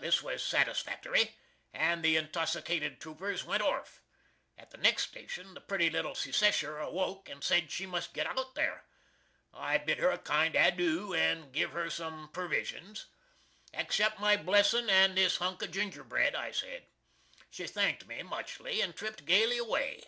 This was satisfactory and the intossicated troopers went orf. At the next station the pretty little Secessher awoke and sed she must git out there. I bid her a kind adoo and giv her sum pervisions. "Accept my blessin and this hunk of ginger bred!" I sed. She thankt me muchly and tript galy away.